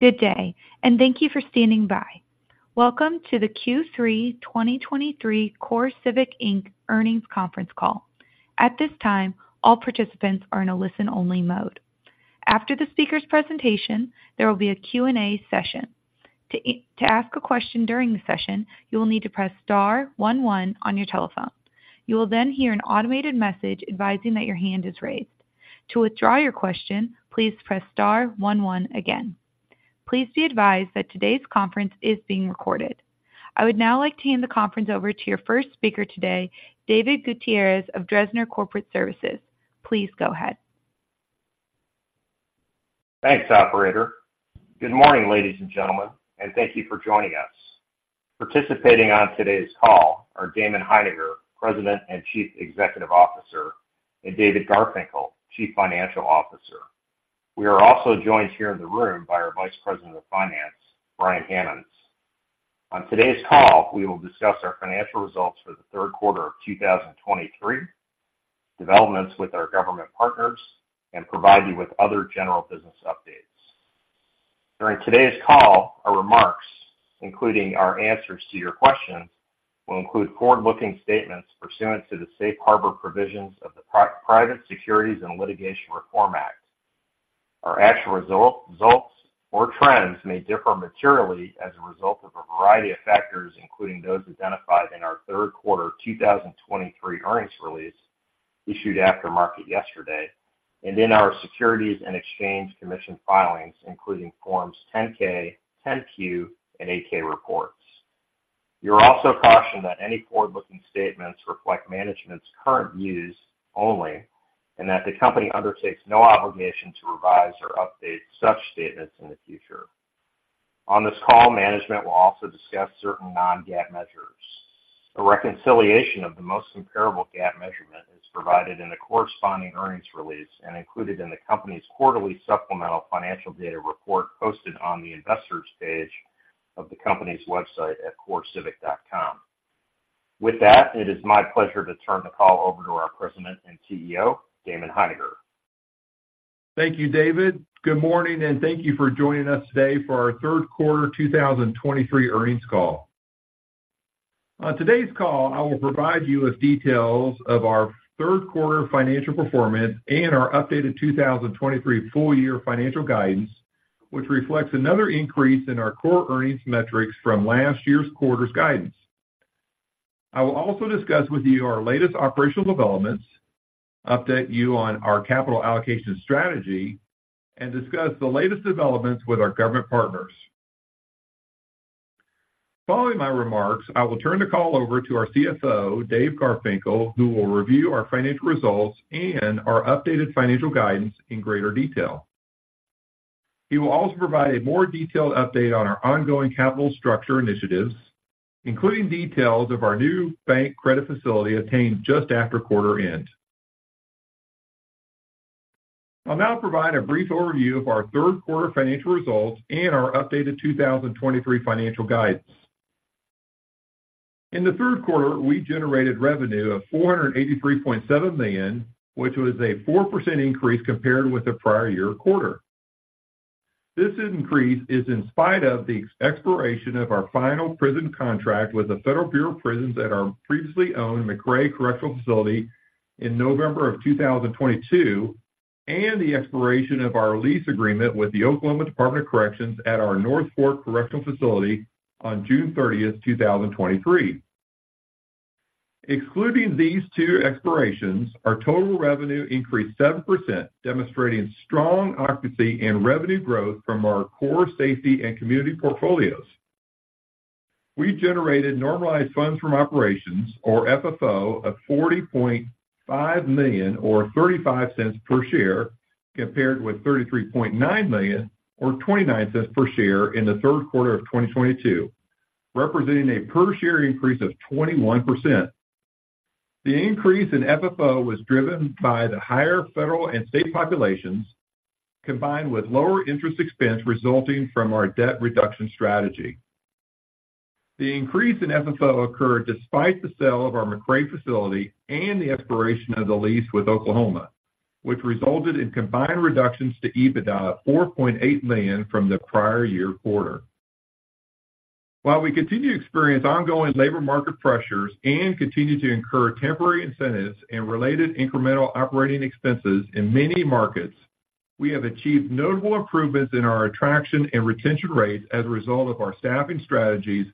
Good day and thank you for standing by. Welcome to the Q3 2023 CoreCivic, Inc. earnings conference call. At this time, all participants are in a listen-only mode. After the speaker's presentation, there will be a Q&A session. To ask a question during the session, you will need to press star one one on your telephone. You will then hear an automated message advising that your hand is raised. To withdraw your question, please press star one one again. Please be advised that today's conference is being recorded. I would now like to hand the conference over to your first speaker today, David Gutierrez of Dresner Corporate Services. Please go ahead. Thanks, operator. Good morning, ladies and gentlemen, and thank you for joining us. Participating on today's call are Damon Hininger, President and Chief Executive Officer, and David Garfinkle, Chief Financial Officer. We are also joined here in the room by our Vice President of Finance, Brian Hammonds. On today's call, we will discuss our financial results for the third quarter of 2023, developments with our government partners, and provide you with other general business updates. During today's call, our remarks, including our answers to your questions, will include forward-looking statements pursuant to the safe harbor provisions of the Private Securities Litigation Reform Act. Our actual result, results or trends may differ materially as a result of a variety of factors, including those identified in our third quarter 2023 earnings release, issued after market yesterday, and in our Securities and Exchange Commission filings, including Forms 10-K, 10-Q, and 8-K reports. You're also cautioned that any forward-looking statements reflect management's current views only, and that the company undertakes no obligation to revise or update such statements in the future. On this call, management will also discuss certain non-GAAP measures. A reconciliation of the most comparable GAAP measurement is provided in the corresponding earnings release and included in the company's quarterly supplemental financial data report posted on the investors page of the company's website at CoreCivic.com. With that, it is my pleasure to turn the call over to our President and CEO, Damon Hininger. Thank you, David. Good morning, and thank you for joining us today for our third quarter 2023 earnings call. On today's call, I will provide you with details of our third quarter financial performance and our updated 2023 full year financial guidance, which reflects another increase in our core earnings metrics from last year's quarter's guidance. I will also discuss with you our latest operational developments, update you on our capital allocation strategy, and discuss the latest developments with our government partners. Following my remarks, I will turn the call over to our CFO, Dave Garfinkle, who will review our financial results and our updated financial guidance in greater detail. He will also provide a more detailed update on our ongoing capital structure initiatives, including details of our new bank credit facility obtained just after quarter end. I'll now provide a brief overview of our third quarter financial results and our updated 2023 financial guidance. In the third quarter, we generated revenue of $483.7 million, which was a 4% increase compared with the prior year quarter. This increase is in spite of the expiration of our final prison contract with the Federal Bureau of Prisons at our previously owned McRae Correctional Facility in November 2022, and the expiration of our lease agreement with the Oklahoma Department of Corrections at our North Fork Correctional Facility on June 30, 2023. Excluding these two expirations, our total revenue increased 7%, demonstrating strong occupancy and revenue growth from our core safety and community portfolios. We generated normalized funds from operations, or FFO, of $40.5 million or $0.35 per share, compared with $33.9 million or $0.29 per share in the third quarter of 2022, representing a per share increase of 21%. The increase in FFO was driven by the higher federal and state populations, combined with lower interest expense resulting from our debt reduction strategy. The increase in FFO occurred despite the sale of our McRae facility and the expiration of the lease with Oklahoma, which resulted in combined reductions to EBITDA of $4.8 million from the prior year quarter. While we continue to experience ongoing labor market pressures and continue to incur temporary incentives and related incremental operating expenses in many markets, we have achieved notable improvements in our attraction and retention rates as a result of our staffing strategies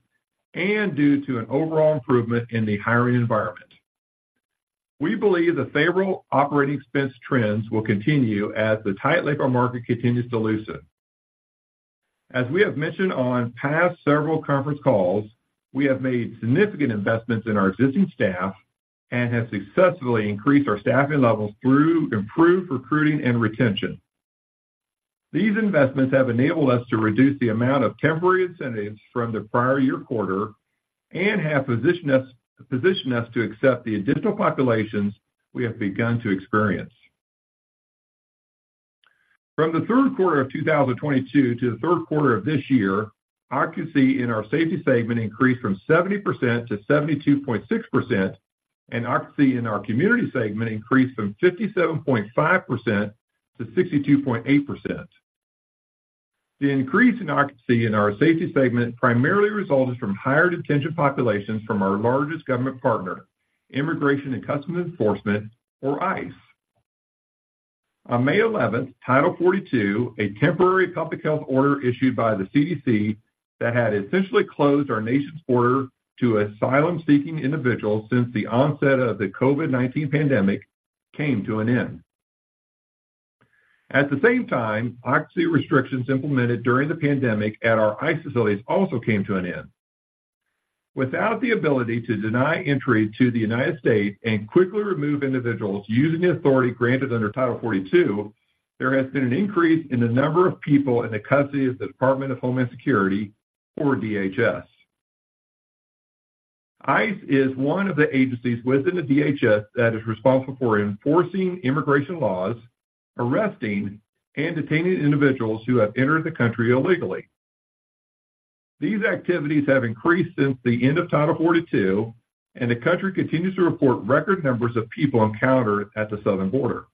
and due to an overall improvement in the hiring environment. We believe the favorable operating expense trends will continue as the tight labor market continues to loosen. As we have mentioned on past several conference calls, we have made significant investments in our existing staff and have successfully increased our staffing levels through improved recruiting and retention. These investments have enabled us to reduce the amount of temporary incentives from the prior year quarter and have positioned us to accept the additional populations we have begun to experience. From the third quarter of 2022 to the third quarter of this year, occupancy in our safety segment increased from 70%-72.6%. Occupancy in our community segment increased from 57.5%-62.8%. The increase in occupancy in our safety segment primarily resulted from higher detention populations from our largest government partner, Immigration and Customs Enforcement, or ICE. On May 11th, Title 42, a temporary public health order issued by the CDC that had essentially closed our nation's border to asylum-seeking individuals since the onset of the COVID-19 pandemic, came to an end. At the same time, occupancy restrictions implemented during the pandemic at our ICE facilities also came to an end. Without the ability to deny entry to the United States and quickly remove individuals using the authority granted under Title 42, there has been an increase in the number of people in the custody of the Department of Homeland Security or DHS. ICE is one of the agencies within the DHS that is responsible for enforcing immigration laws, arresting, and detaining individuals who have entered the country illegally. These activities have increased since the end of Title 42, and the country continues to report record numbers of people encountered at the southern border.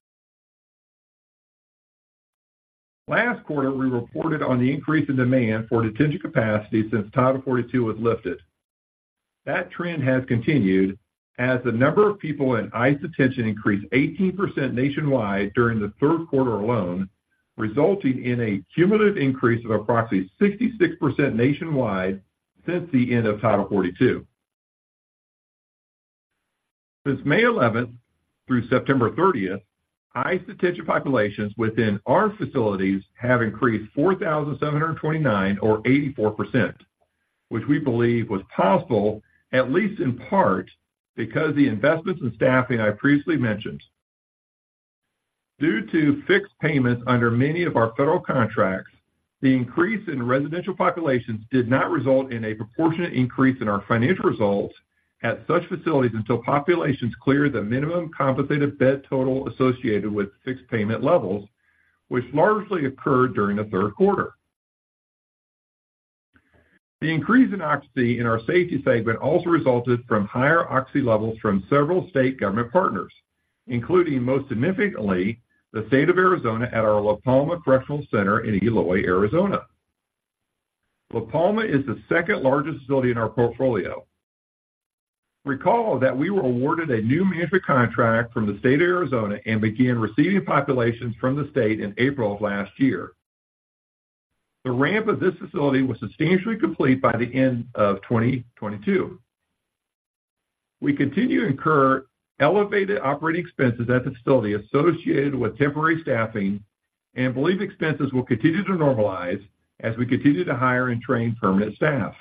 Last quarter, we reported on the increase in demand for detention capacity since Title 42 was lifted. That trend has continued as the number of people in ICE detention increased 18% nationwide during the third quarter alone, resulting in a cumulative increase of approximately 66% nationwide since the end of Title 42. Since May 11th through September 30th, ICE detention populations within our facilities have increased 4,729 or 84%, which we believe was possible, at least in part, because of the investments in staffing I previously mentioned. Due to fixed payments under many of our federal contracts, the increase in residential populations did not result in a proportionate increase in our financial results at such facilities until populations cleared the minimum compensated bed total associated with fixed payment levels, which largely occurred during the third quarter. The increase in occupancy in our safety segment also resulted from higher occupancy levels from several state government partners, including, most significantly, the state of Arizona at our La Palma Correctional Center in Eloy, Arizona. La Palma is the second-largest facility in our portfolio. Recall that we were awarded a new management contract from the state of Arizona and began receiving populations from the state in April of last year. The ramp of this facility was substantially complete by the end of 2022. We continue to incur elevated operating expenses at the facility associated with temporary staffing and believe expenses will continue to normalize as we continue to hire and train permanent staff.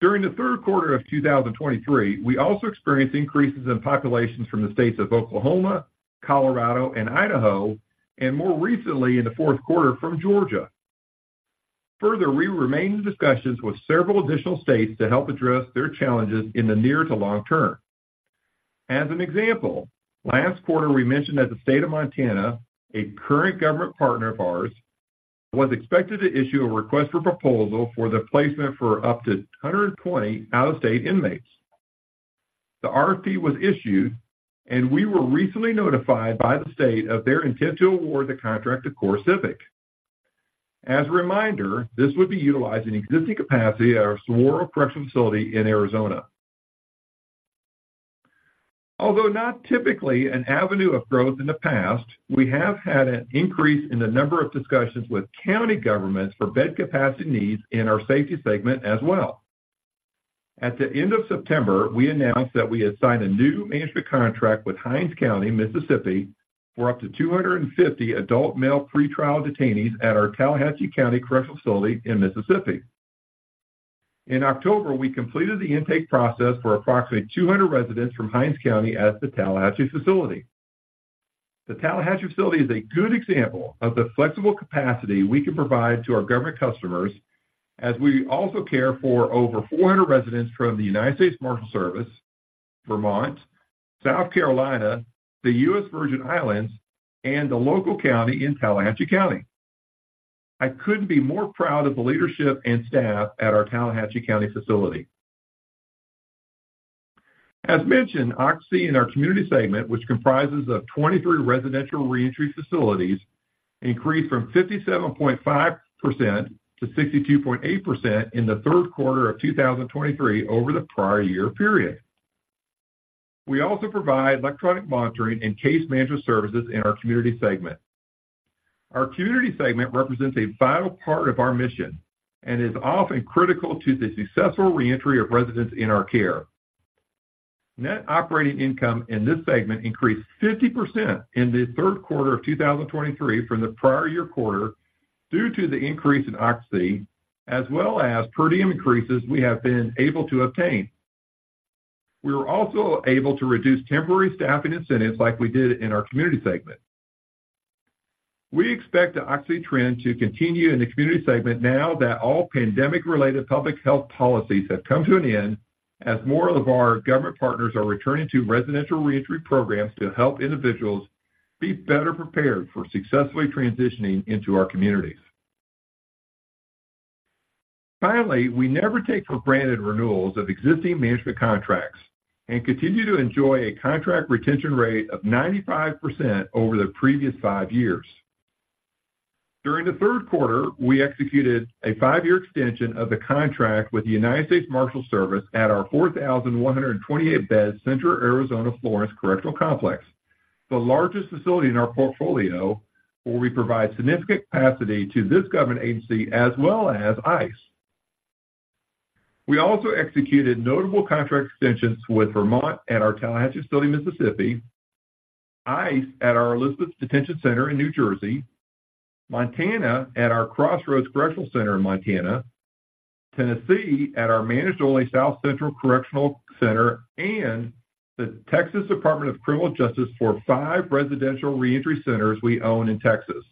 During the third quarter of 2023, we also experienced increases in populations from the states of Oklahoma, Colorado, and Idaho, and more recently, in the fourth quarter, from Georgia. Further, we remain in discussions with several additional states to help address their challenges in the near to long term. As an example, last quarter, we mentioned that the state of Montana, a current government partner of ours, was expected to issue a request for proposal for the placement for up to 120 out-of-state inmates. The RFP was issued, and we were recently notified by the state of their intent to award the contract to CoreCivic. As a reminder, this would be utilizing existing capacity at our Saguaro Correctional Facility in Arizona. Although not typically an avenue of growth in the past, we have had an increase in the number of discussions with county governments for bed capacity needs in our safety segment as well. At the end of September, we announced that we had signed a new management contract with Hinds County, Mississippi, for up to 250 adult male pretrial detainees at our Tallahatchie County Correctional Facility in Mississippi. In October, we completed the intake process for approximately 200 residents from Hinds County at the Tallahatchie facility. The Tallahatchie facility is a good example of the flexible capacity we can provide to our government customers, as we also care for over 400 residents from the United States Marshals Service, Vermont, South Carolina, the U.S. Virgin Islands, and the local county in Tallahatchie County. I couldn't be more proud of the leadership and staff at our Tallahatchie County facility. As mentioned, occupancy in our community segment, which comprises of 23 residential reentry facilities, increased from 57.5% to 62.8% in the third quarter of 2023 over the prior year period. We also provide electronic monitoring and case management services in our community segment. Our community segment represents a vital part of our mission and is often critical to the successful reentry of residents in our care. Net operating income in this segment increased 50% in the third quarter of 2023 from the prior year quarter due to the increase in occupancy, as well as per diem increases we have been able to obtain. We were also able to reduce temporary staffing incentives like we did in our community segment. We expect the occupancy trend to continue in the community segment now that all pandemic-related public health policies have come to an end, as more of our government partners are returning to residential reentry programs to help individuals be better prepared for successfully transitioning into our communities.... Finally, we never take for granted renewals of existing management contracts and continue to enjoy a contract retention rate of 95% over the previous five years. During the third quarter, we executed a 5-year extension of the contract with the United States Marshals Service at our 4,128-bed Center, Arizona Florence Correctional Complex, the largest facility in our portfolio, where we provide significant capacity to this government agency as well as ICE. We also executed notable contract extensions with Vermont at our Tallahatchie Facility, Mississippi, ICE at our Elizabeth Detention Center in New Jersey, Montana at our Crossroads Correctional Center in Montana, Tennessee at our managed-only South Central Correctional Center, and the Texas Department of Criminal Justice for five residential reentry centers we own in Texas.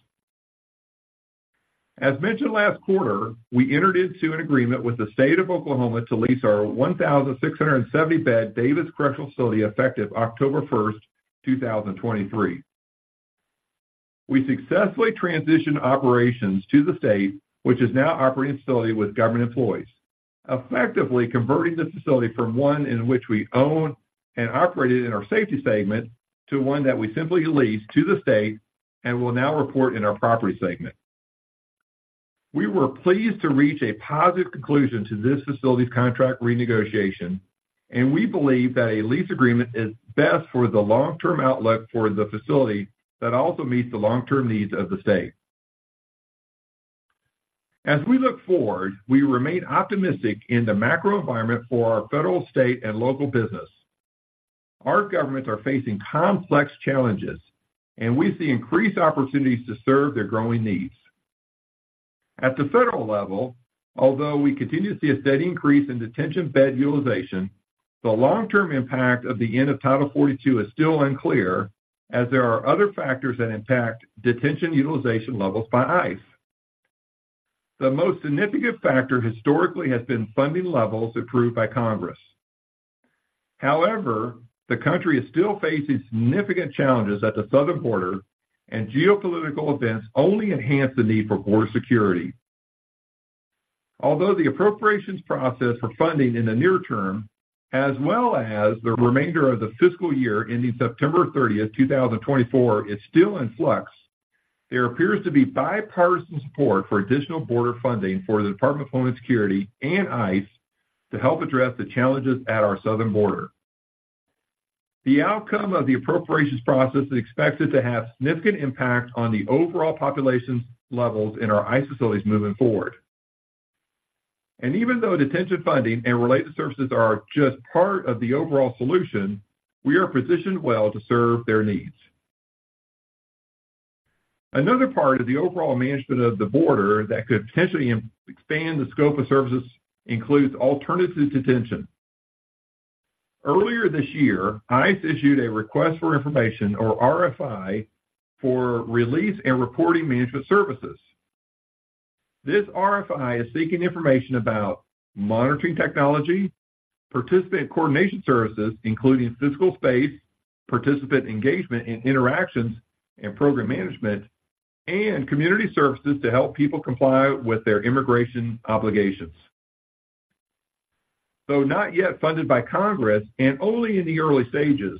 As mentioned last quarter, we entered into an agreement with the State of Oklahoma to lease our 1,600-bed Davis Correctional Facility, effective October 1st, 2023. We successfully transitioned operations to the state, which is now operating the facility with government employees, effectively converting the facility from one in which we own and operated in our Safety segment, to one that we simply lease to the state and will now report in our Property segment. We were pleased to reach a positive conclusion to this facility's contract renegotiation, and we believe that a lease agreement is best for the long-term outlook for the facility that also meets the long-term needs of the state. As we look forward, we remain optimistic in the macro environment for our federal, state, and local business. Our governments are facing complex challenges, and we see increased opportunities to serve their growing needs. At the federal level, although we continue to see a steady increase in detention bed utilization, the long-term impact of the end of Title 42 is still unclear, as there are other factors that impact detention utilization levels by ICE. The most significant factor historically has been funding levels approved by Congress. However, the country is still facing significant challenges at the southern border, and geopolitical events only enhance the need for border security. Although the appropriations process for funding in the near term, as well as the remainder of the fiscal year ending September 30th, 2024, is still in flux, there appears to be bipartisan support for additional border funding for the Department of Homeland Security and ICE to help address the challenges at our southern border. The outcome of the appropriations process is expected to have significant impact on the overall population levels in our ICE facilities moving forward. And even though detention funding and related services are just part of the overall solution, we are positioned well to serve their needs. Another part of the overall management of the border that could potentially expand the scope of services includes alternative detention. Earlier this year, ICE issued a request for information, or RFI, for release and reporting management services. This RFI is seeking information about monitoring technology, participant coordination services, including physical space, participant engagement and interactions, and program management, and community services to help people comply with their immigration obligations. Though not yet funded by Congress and only in the early stages,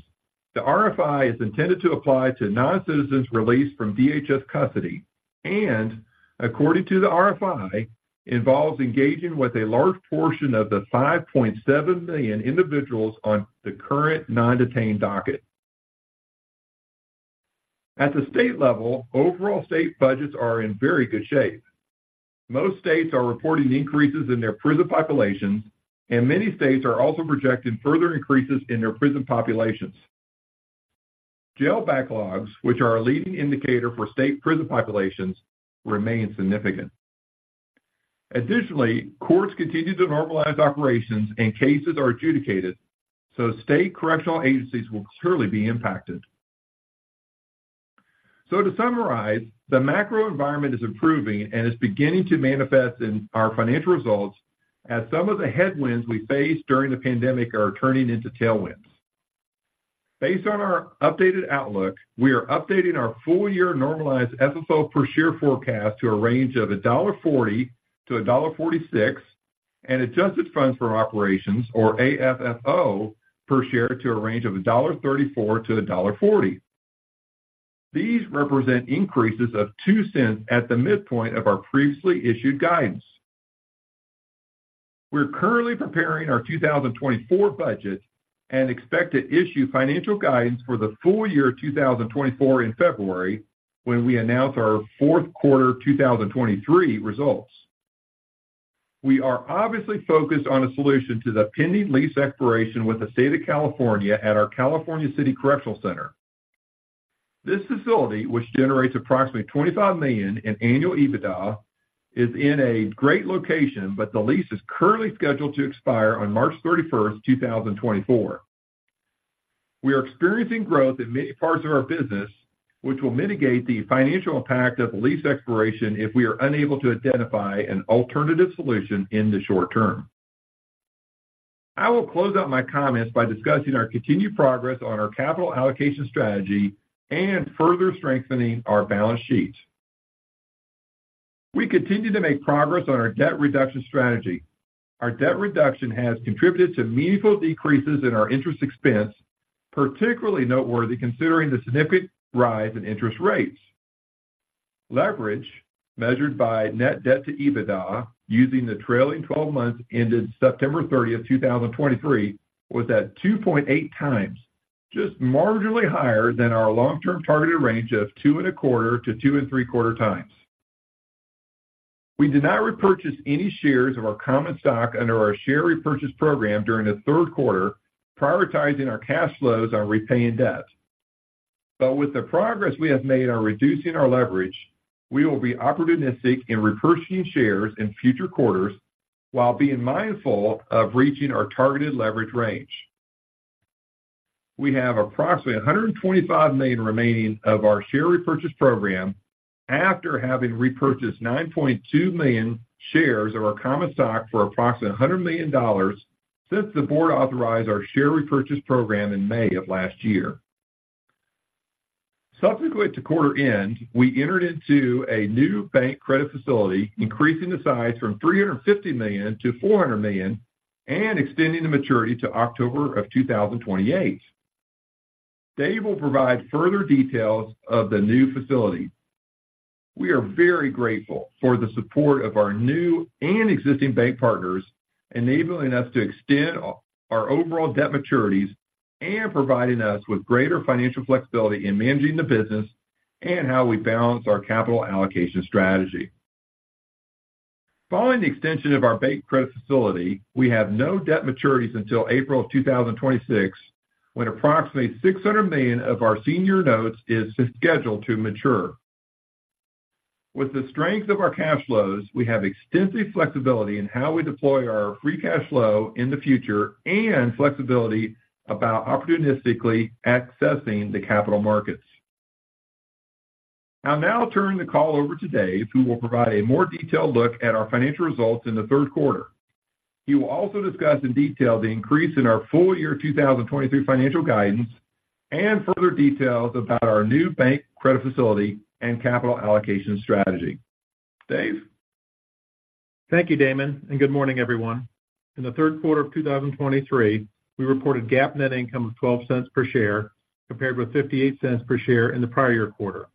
the RFI is intended to apply to non-citizens released from DHS custody and, according to the RFI, involves engaging with a large portion of the 5.7 million individuals on the current non-detained docket. At the state level, overall state budgets are in very good shape. Most states are reporting increases in their prison populations, and many states are also projecting further increases in their prison populations. Jail backlogs, which are a leading indicator for state prison populations, remain significant. Additionally, courts continue to normalize operations and cases are adjudicated, so state correctional agencies will clearly be impacted. So to summarize, the macro environment is improving and is beginning to manifest in our financial results as some of the headwinds we faced during the pandemic are turning into tailwinds. Based on our updated outlook, we are updating our full-year normalized FFO per share forecast to a range of $1.40-$1.46, and adjusted funds for operations, or AFFO, per share to a range of $1.34-$1.40. These represent increases of $0.02 at the midpoint of our previously issued guidance. We're currently preparing our 2024 budget and expect to issue financial guidance for the full year 2024 in February, when we announce our fourth quarter 2023 results. We are obviously focused on a solution to the pending lease expiration with the State of California at our California City Correctional Center. This facility, which generates approximately $25 million in annual EBITDA, is in a great location, but the lease is currently scheduled to expire on March 31st, 2024. We are experiencing growth in many parts of our business, which will mitigate the financial impact of the lease expiration if we are unable to identify an alternative solution in the short term. I will close out my comments by discussing our continued progress on our capital allocation strategy and further strengthening our balance sheet. We continue to make progress on our debt reduction strategy. Our debt reduction has contributed to meaningful decreases in our interest expense, particularly noteworthy considering the significant rise in interest rates. Leverage, measured by net debt to EBITDA, using the trailing twelve months ended September 30th, 2023, was at 2.8x, just marginally higher than our long-term targeted range of 2.25x-2.75x. We did not repurchase any shares of our common stock under our share repurchase program during the third quarter, prioritizing our cash flows on repaying debt. But with the progress we have made on reducing our leverage, we will be opportunistic in repurchasing shares in future quarters while being mindful of reaching our targeted leverage range. We have approximately $125 million remaining of our share repurchase program after having repurchased 9.2 million shares of our common stock for approximately $100 million since the board authorized our share repurchase program in May of last year. Subsequent to quarter end, we entered into a new bank credit facility, increasing the size from $350 million-$400 million and extending the maturity to October 2028. Dave will provide further details of the new facility. We are very grateful for the support of our new and existing bank partners, enabling us to extend our overall debt maturities and providing us with greater financial flexibility in managing the business and how we balance our capital allocation strategy. Following the extension of our bank credit facility, we have no debt maturities until April of 2026, when approximately $600 million of our senior notes is scheduled to mature. With the strength of our cash flows, we have extensive flexibility in how we deploy our free cash flow in the future and flexibility about opportunistically accessing the capital markets. I'll now turn the call over to Dave, who will provide a more detailed look at our financial results in the third quarter. He will also discuss in detail the increase in our full year 2023 financial guidance and further details about our new bank credit facility and capital allocation strategy. Dave? Thank you, Damon, and good morning, everyone. In the third quarter of 2023, we reported GAAP net income of $0.12 per share, compared with $0.58 per share in the prior year quarter.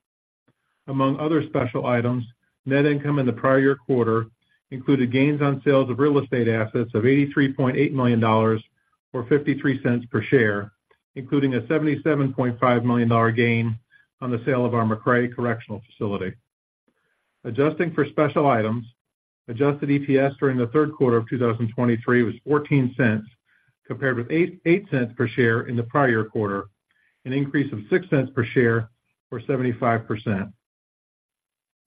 Among other special items, net income in the prior year quarter included gains on sales of real estate assets of $83.8 million, or $0.53 per share, including a $77.5 million gain on the sale of our McRae Correctional Facility. Adjusting for special items, adjusted EPS during the third quarter of 2023 was $0.14, compared with $0.88 per share in the prior quarter, an increase of $0.06 per share or 75%.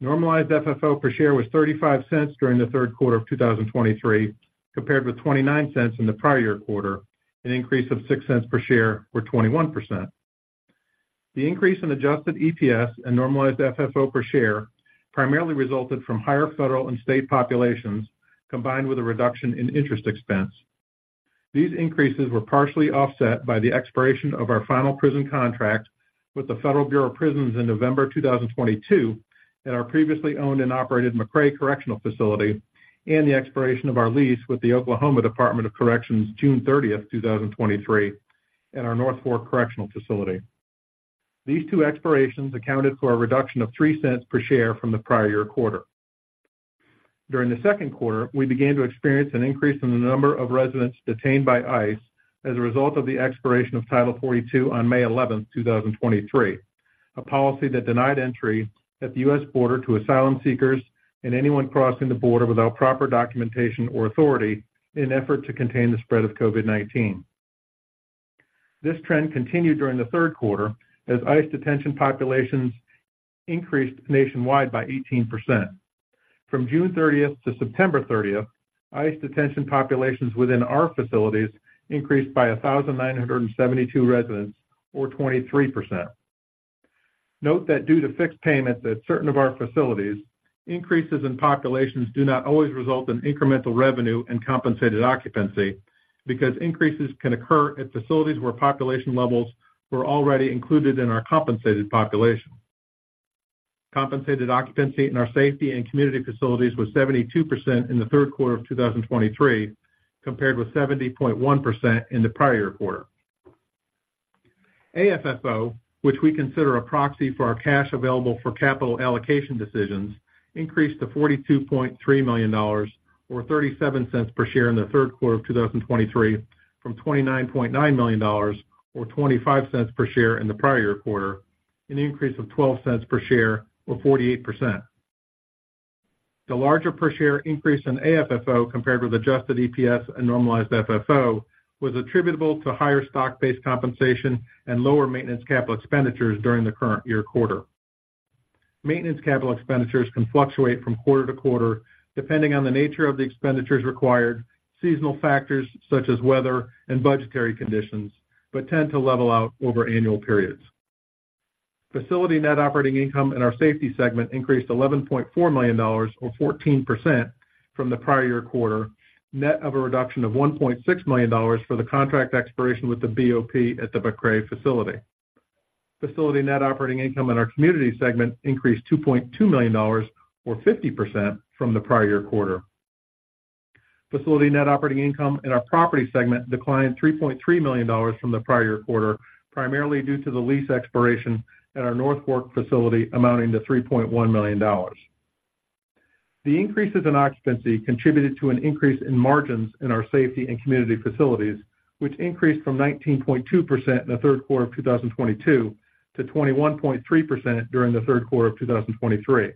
Normalized FFO per share was $0.35 during the third quarter of 2023, compared with $0.29 in the prior year quarter, an increase of six cents per share or 21%. The increase in adjusted EPS and normalized FFO per share primarily resulted from higher federal and state populations, combined with a reduction in interest expense. These increases were partially offset by the expiration of our final prison contract with the Federal Bureau of Prisons in November 2022, at our previously owned and operated McRae Correctional Facility, and the expiration of our lease with the Oklahoma Department of Corrections June 30th, 2023, at our North Fork Correctional Facility. These two expirations accounted for a reduction of three cents per share from the prior year quarter. During the second quarter, we began to experience an increase in the number of residents detained by ICE as a result of the expiration of Title 42 on May 11th 2023, a policy that denied entry at the U.S. border to asylum seekers and anyone crossing the border without proper documentation or authority in an effort to contain the spread of COVID-19. This trend continued during the third quarter as ICE detention populations increased nationwide by 18%. From June 30th to September 30th, ICE detention populations within our facilities increased by 1,972 residents, or 23%. Note that due to fixed payments at certain of our facilities, increases in populations do not always result in incremental revenue and compensated occupancy, because increases can occur at facilities where population levels were already included in our compensated population. Compensated occupancy in our safety and community facilities was 72% in the third quarter of 2023, compared with 70.1% in the prior quarter. AFFO, which we consider a proxy for our cash available for capital allocation decisions, increased to $42.3 million, or $0.37 per share in the third quarter of 2023, from $29.9 million, or $0.25 per share in the prior quarter, an increase of $0.12 per share or 48%. The larger per share increase in AFFO compared with adjusted EPS and normalized FFO was attributable to higher stock-based compensation and lower maintenance capital expenditures during the current year quarter. Maintenance capital expenditures can fluctuate from quarter to quarter, depending on the nature of the expenditures required, seasonal factors such as weather and budgetary conditions, but tend to level out over annual periods. Facility net operating income in our safety segment increased $11.4 million or 14% from the prior year quarter, net of a reduction of $1.6 million for the contract expiration with the BOP at the McRae facility. Facility net operating income in our community segment increased $2.2 million, or 50% from the prior year quarter. Facility net operating income in our property segment declined $3.3 million from the prior year quarter, primarily due to the lease expiration at our North Fork facility, amounting to $3.1 million. The increases in occupancy contributed to an increase in margins in our safety and community facilities, which increased from 19.2% in the third quarter of 2022 to 21.3% during the third quarter of 2023.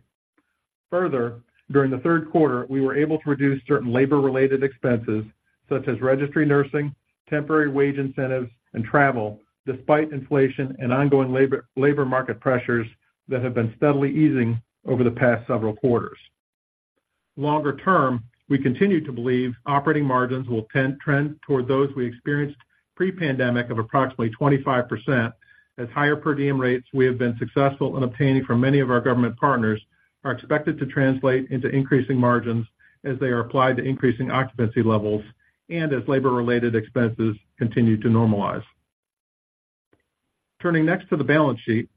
Further, during the third quarter, we were able to reduce certain labor-related expenses such as registry nursing, temporary wage incentives, and travel, despite inflation and ongoing labor market pressures that have been steadily easing over the past several quarters. Longer term, we continue to believe operating margins will trend toward those we experienced pre-pandemic of approximately 25%, as higher per diem rates we have been successful in obtaining from many of our government partners are expected to translate into increasing margins as they are applied to increasing occupancy levels and as labor-related expenses continue to normalize. Turning next to the balance sheet.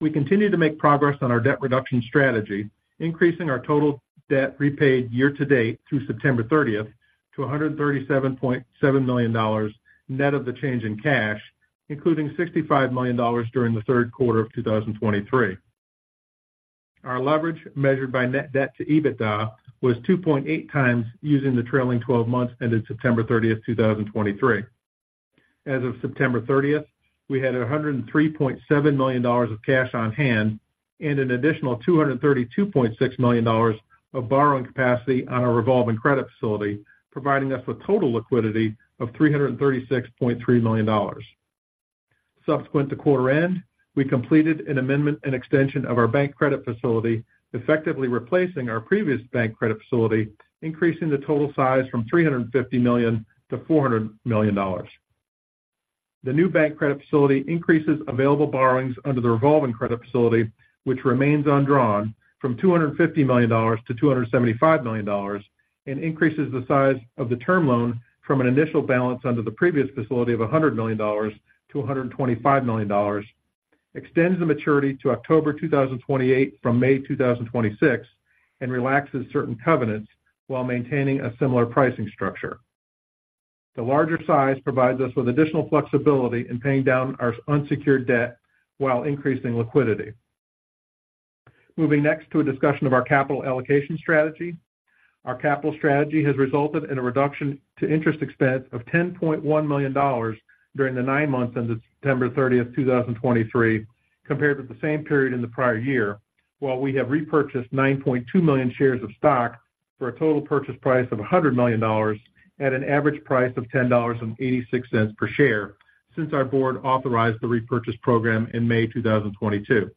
We continue to make progress on our debt reduction strategy, increasing our total debt repaid year to date through September 30th to $137.7 million, net of the change in cash, including $65 million during the third quarter of 2023. Our leverage, measured by net debt to EBITDA, was 2.8x using the trailing twelve months ended September 30th, 2023. As of September 30, we had $103.7 million of cash on hand and an additional $232.6 million of borrowing capacity on our revolving credit facility, providing us with total liquidity of $336.3 million. Subsequent to quarter end, we completed an amendment and extension of our bank credit facility, effectively replacing our previous bank credit facility, increasing the total size from $350 million-$400 million. The new bank credit facility increases available borrowings under the revolving credit facility, which remains undrawn from $250 million-$275 million, and increases the size of the term loan from an initial balance under the previous facility of $100 million to $125 million, extends the maturity to October 2028 from May 2026, and relaxes certain covenants while maintaining a similar pricing structure. The larger size provides us with additional flexibility in paying down our unsecured debt while increasing liquidity. Moving next to a discussion of our capital allocation strategy. Our capital strategy has resulted in a reduction to interest expense of $10.1 million during the nine months ended September 30th, 2023, compared with the same period in the prior year, while we have repurchased 9.2 million shares of stock for a total purchase price of $100 million at an average price of $10.86 per share since our board authorized the repurchase program in May 2022.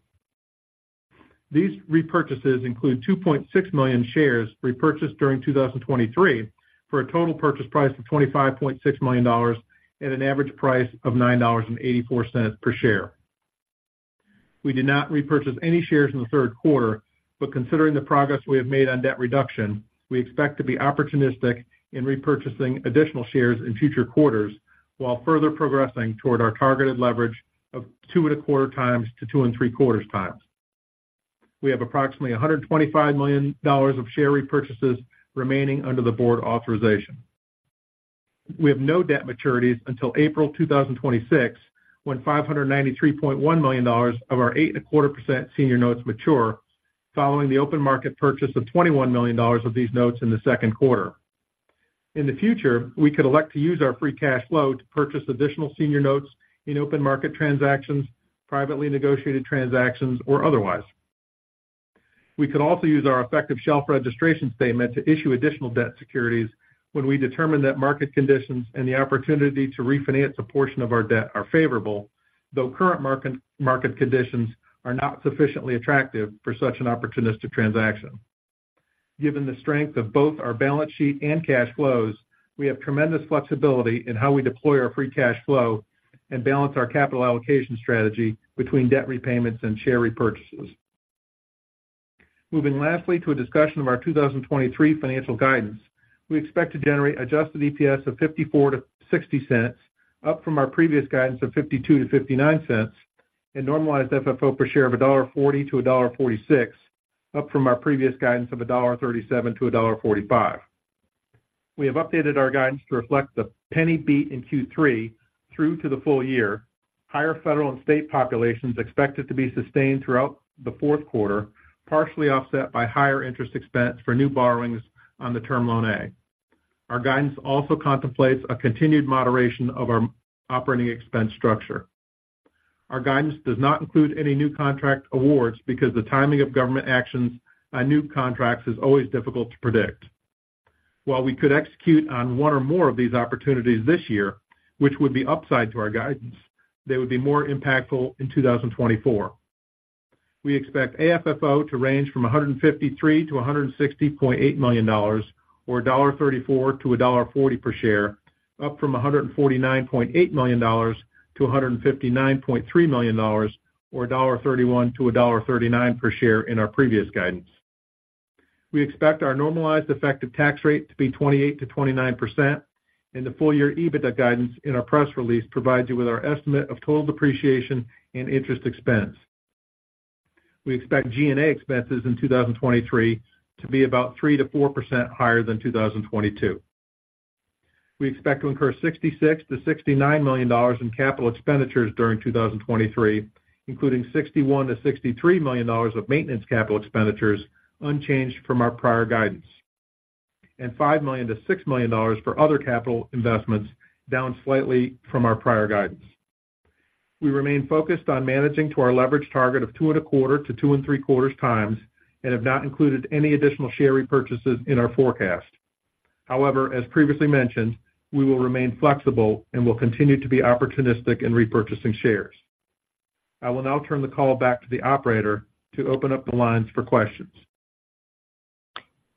These repurchases include 2.6 million shares repurchased during 2023, for a total purchase price of $25.6 million at an average price of $9.84 per share. We did not repurchase any shares in the third quarter, but considering the progress we have made on debt reduction, we expect to be opportunistic in repurchasing additional shares in future quarters while further progressing toward our targeted leverage of 2.25x-2.75x. We have approximately $125 million of share repurchases remaining under the board authorization. We have no debt maturities until April 2026, when $593.1 million of our 8.25% senior notes mature, following the open market purchase of $21 million of these notes in the second quarter. In the future, we could elect to use our free cash flow to purchase additional senior notes in open market transactions, privately negotiated transactions, or otherwise. We could also use our effective shelf registration statement to issue additional debt securities when we determine that market conditions and the opportunity to refinance a portion of our debt are favorable, though current market conditions are not sufficiently attractive for such an opportunistic transaction. Given the strength of both our balance sheet and cash flows, we have tremendous flexibility in how we deploy our free cash flow and balance our capital allocation strategy between debt repayments and share repurchases. Moving lastly to a discussion of our 2023 financial guidance. We expect to generate adjusted EPS of $0.54-$0.60, up from our previous guidance of $0.52-$0.59, and normalized FFO per share of $1.40-$1.46, up from our previous guidance of $1.37-$1.45. We have updated our guidance to reflect the penny beat in Q3 through to the full year. Higher federal and state populations are expected to be sustained throughout the fourth quarter, partially offset by higher interest expense for new borrowings on the Term Loan A. Our guidance also contemplates a continued moderation of our operating expense structure. Our guidance does not include any new contract awards because the timing of government actions on new contracts is always difficult to predict. While we could execute on one or more of these opportunities this year, which would be upside to our guidance, they would be more impactful in 2024.... We expect AFFO to range from $153 million-$160.8 million, or $1.34-$1.40 per share, up from $149.8 million-$159.3 million, or $1.31-$1.39 per share in our previous guidance. We expect our normalized effective tax rate to be 28%-29%, and the full-year EBITDA guidance in our press release provides you with our estimate of total depreciation and interest expense. We expect G&A expenses in 2023 to be about 3%-4% higher than 2022. We expect to incur $66 million-$69 million in capital expenditures during 2023, including $61 million-$63 million of maintenance capital expenditures, unchanged from our prior guidance, and $5 million-$6 million for other capital investments, down slightly from our prior guidance. We remain focused on managing to our leverage target of 2.25x-2.75x and have not included any additional share repurchases in our forecast. However, as previously mentioned, we will remain flexible and will continue to be opportunistic in repurchasing shares. I will now turn the call back to the operator to open up the lines for questions.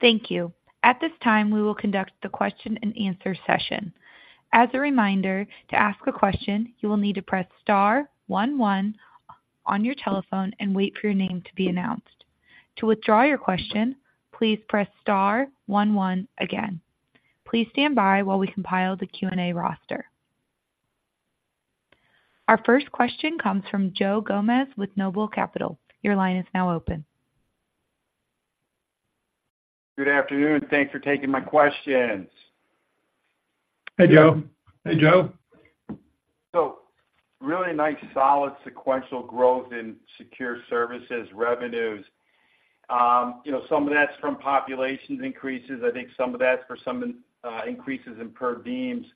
Thank you. At this time, we will conduct the question-and-answer session. As a reminder, to ask a question, you will need to press star one, one on your telephone and wait for your name to be announced. To withdraw your question, please press star one, one again. Please stand by while we compile the Q&A roster. Our first question comes from Joe Gomes with Noble Capital. Your line is now open. Good afternoon. Thanks for taking my questions. Hey, Joe. Hey, Joe. So really nice, solid sequential growth in secure services revenues. You know, some of that's from population increases. I think some of that's for some increases in per diems.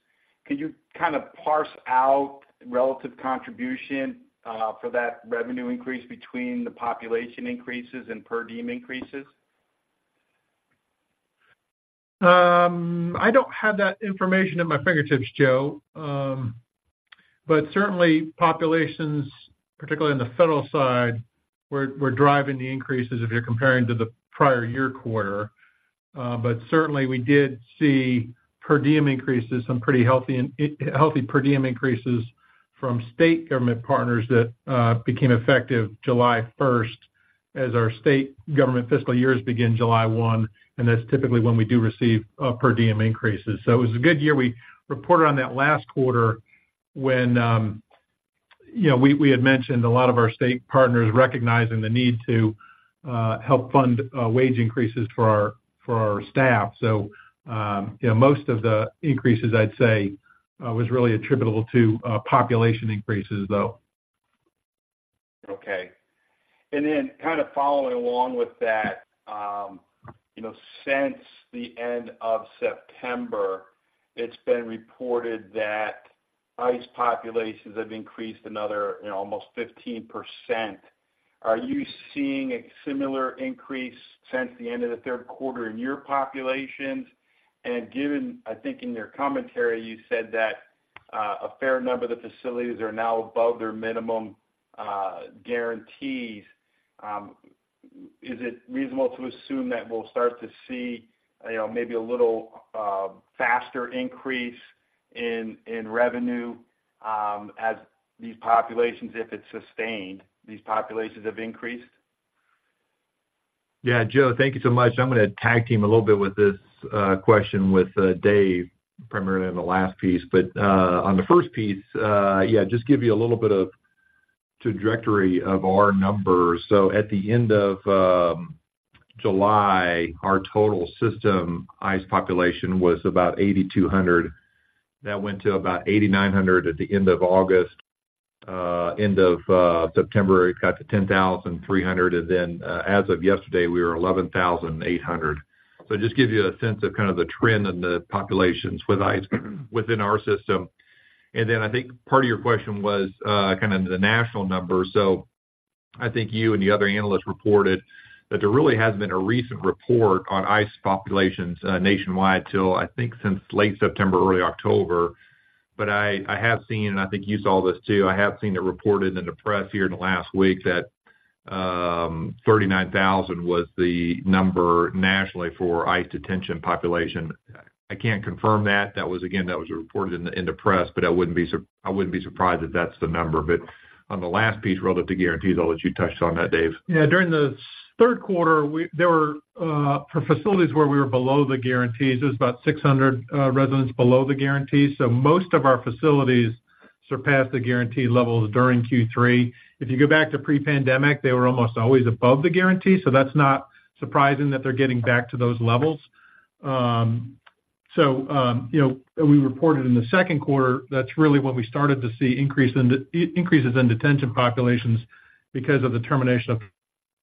Could you kind of parse out relative contribution for that revenue increase between the population increases and per diem increases? I don't have that information at my fingertips, Joe. But certainly populations, particularly on the federal side, were driving the increases if you're comparing to the prior year quarter. But certainly, we did see per diem increases, some pretty healthy per diem increases from state government partners that became effective July 1st, as our state government fiscal years begin July 1, and that's typically when we do receive per diem increases. So it was a good year. We reported on that last quarter when, you know, we had mentioned a lot of our state partners recognizing the need to help fund wage increases for our staff. So, most of the increases, I'd say, was really attributable to population increases, though. Okay. Then kind of following along with that, you know, since the end of September, it's been reported that ICE populations have increased another, you know, almost 15%. Are you seeing a similar increase since the end of the third quarter in your populations? And given, I think in your commentary, you said that, a fair number of the facilities are now above their minimum, guarantees, is it reasonable to assume that we'll start to see, you know, maybe a little, faster increase in revenue, as these populations, if it's sustained, these populations have increased? Yeah, Joe, thank you so much. I'm gonna tag team a little bit with this question with Dave, primarily on the last piece. But on the first piece, yeah, just give you a little bit of trajectory of our numbers. So at the end of July, our total system ICE population was about 8,200. That went to about 8,900 at the end of August. End of September, it got to 10,300, and then as of yesterday, we were 11,800. So just give you a sense of kind of the trend in the populations with ICE within our system. And then I think part of your question was kind of the national number. So I think you and the other analysts reported that there really hasn't been a recent report on ICE populations nationwide till, I think, since late September, early October. But I have seen, and I think you saw this, too, I have seen it reported in the press here in the last week, that 39,000 was the number nationally for ICE detention population. I can't confirm that. That was, again, that was reported in the press, but I wouldn't be surprised if that's the number. But on the last piece, relative to guarantees, I'll let you touch on that, Dave. Yeah. During the third quarter, there were, for facilities where we were below the guarantees, it was about 600 residents below the guarantees. So most of our facilities surpassed the guarantee levels during Q3. If you go back to pre-pandemic, they were almost always above the guarantee, so that's not surprising that they're getting back to those levels. So, you know, we reported in the second quarter, that's really what we started to see, increases in detention populations because of the termination of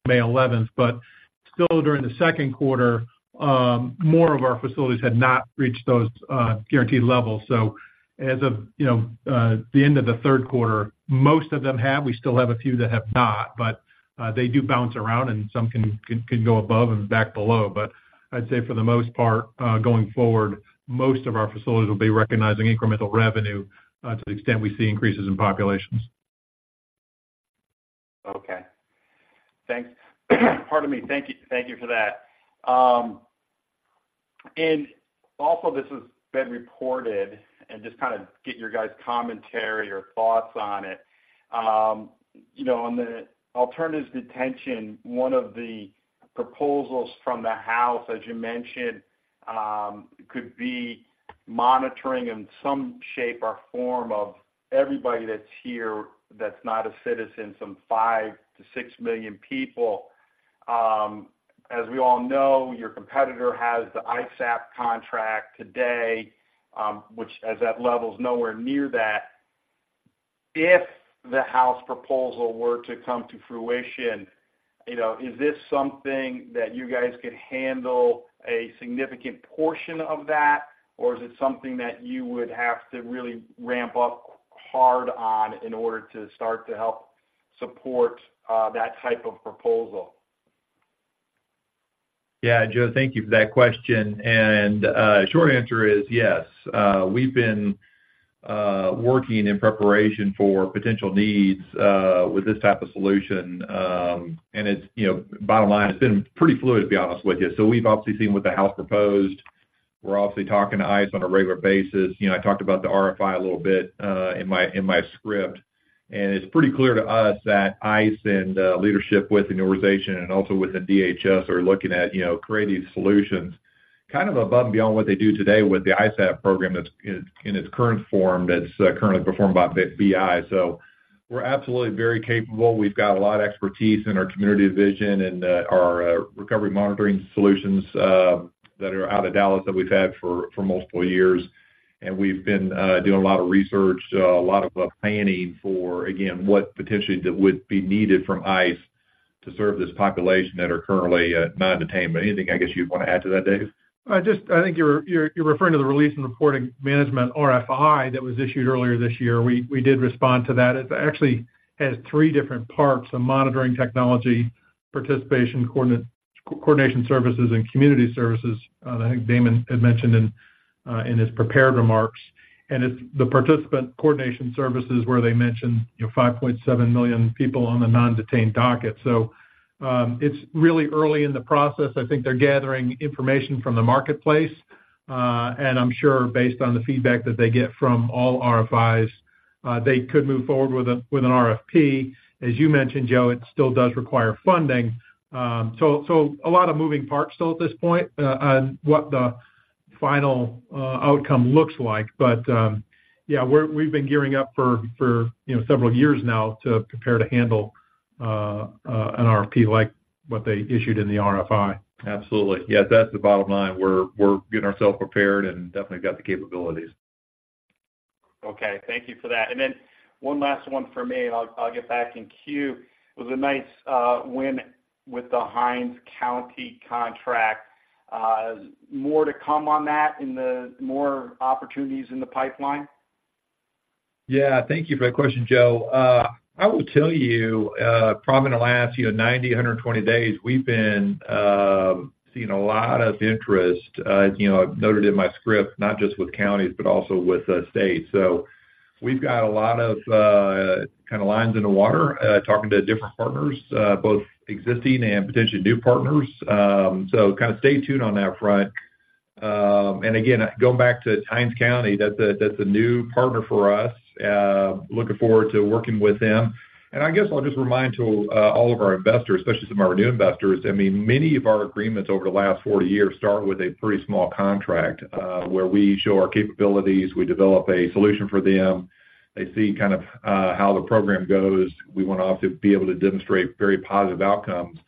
May eleventh. But still, during the second quarter, more of our facilities had not reached those guaranteed levels. So as of, you know, the end of the third quarter, most of them have. We still have a few that have not, but they do bounce around and some can go above and back below. But I'd say for the most part, going forward, most of our facilities will be recognizing incremental revenue to the extent we see increases in populations. Thanks. Pardon me. Thank you, thank you for that. And also this has been reported and just kind of get your guys' commentary or thoughts on it. You know, on the alternatives detention, one of the proposals from the House, as you mentioned, could be monitoring in some shape or form of everybody that's here that's not a citizen, some five to six million people. As we all know, your competitor has the ISAP contract today, which as that level is nowhere near that. If the House proposal were to come to fruition, you know, is this something that you guys could handle a significant portion of that? Or is it something that you would have to really ramp up hard on in order to start to help support, that type of proposal? Yeah, Joe, thank you for that question. Short answer is, yes. We've been working in preparation for potential needs with this type of solution. It's, you know, bottom line, it's been pretty fluid, to be honest with you. So we've obviously seen what the House proposed. We're obviously talking to ICE on a regular basis. You know, I talked about the RFI a little bit in my script, and it's pretty clear to us that ICE and leadership with immigration and also within DHS are looking at, you know, creating solutions, kind of above and beyond what they do today with the ISAP program that's in its current form, that's currently performed by BI. So we're absolutely very capable. We've got a lot of expertise in our community division and our recovery monitoring solutions that are out of Dallas that we've had for multiple years. And we've been doing a lot of research, a lot of planning for, again, what potentially that would be needed from ICE to serve this population that are currently non-detained. But anything, I guess, you'd want to add to that, Dave? Just I think you're referring to the release and reporting management RFI that was issued earlier this year. We did respond to that. It actually has three different parts, a monitoring technology, participation coordination services, and community services. I think Damon had mentioned in his prepared remarks, and it's the participant coordination services where they mentioned, you know, 5.7 million people on the non-detained docket. So, it's really early in the process. I think they're gathering information from the marketplace, and I'm sure based on the feedback that they get from all RFIs, they could move forward with an RFP. As you mentioned, Joe, it still does require funding. So, a lot of moving parts still at this point, on what the final outcome looks like. But, yeah, we've been gearing up for, you know, several years now to prepare to handle an RFP like what they issued in the RFI. Absolutely. Yeah, that's the bottom line. We're getting ourselves prepared and definitely got the capabilities. Okay, thank you for that. And then one last one for me, and I'll, I'll get back in queue. It was a nice win with the Hinds County contract. More to come on that in the more opportunities in the pipeline? Yeah, thank you for that question, Joe. I will tell you, probably in the last 90-120 days, we've been seeing a lot of interest, you know, noted in my script, not just with counties, but also with the state. So we've got a lot of kind of lines in the water, talking to different partners, both existing and potentially new partners. So kind of stay tuned on that front. And again, going back to Hinds County, that's a new partner for us, looking forward to working with them. And I guess I'll just remind to all of our investors, especially some of our new investors, I mean, many of our agreements over the last 40 years start with a pretty small contract, where we show our capabilities, we develop a solution for them. They see kind of how the program goes. We want to also be able to demonstrate very positive outcomes.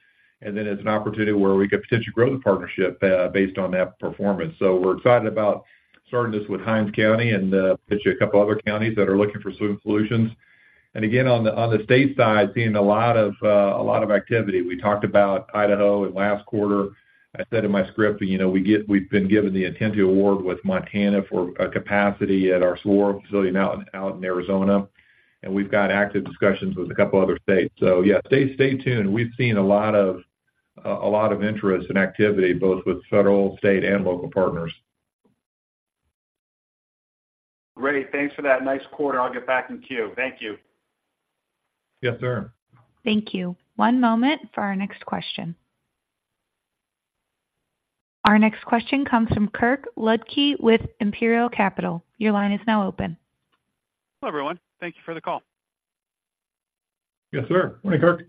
And then it's an opportunity where we could potentially grow the partnership based on that performance. So we're excited about starting this with Hinds County and potentially a couple of other counties that are looking for similar solutions. And again, on the state side, seeing a lot of activity. We talked about Idaho in last quarter. I said in my script, you know, we've been given the intent to award with Montana for a capacity at our Saguaro facility out in Arizona, and we've got active discussions with a couple other states. So yeah, stay tuned. We've seen a lot of interest and activity, both with federal, state, and local partners. Great. Thanks for that nice quarter. I'll get back in queue. Thank you. Yes, sir. Thank you. One moment for our next question. Our next question comes from Kirk Ludtke with Imperial Capital. Your line is now open. Hello, everyone. Thank you for the call. Yes, sir. Morning, Kirk.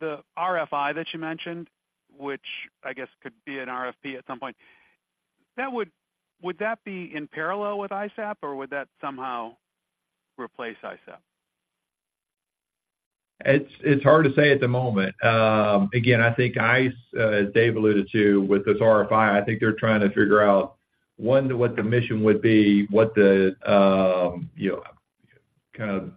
The RFI that you mentioned, which I guess could be an RFP at some point, would that be in parallel with ISAP, or would that somehow replace ISAP? It's hard to say at the moment. Again, I think ICE, as Dave alluded to with this RFI, I think they're trying to figure out, one, what the mission would be, what the, you know, kind of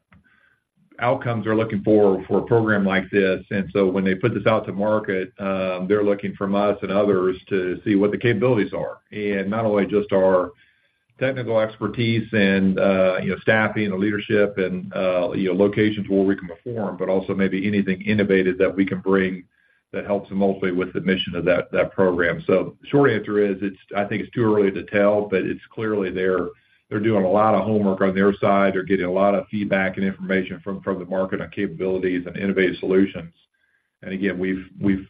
outcomes they're looking for, for a program like this. And so when they put this out to market, they're looking from us and others to see what the capabilities are. And not only just our technical expertise and, staffing, the leadership, and, locations where we can perform, but also maybe anything innovative that we can bring that helps them mostly with the mission of that, that program. So short answer is, it's. I think it's too early to tell, but it's clearly there. They're doing a lot of homework on their side. They're getting a lot of feedback and information from the market on capabilities and innovative solutions. And again, we